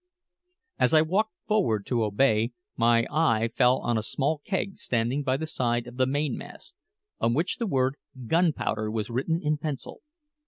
As I walked forward to obey, my eye fell on a small keg standing by the side of the mainmast, on which the word gunpowder was written in pencil.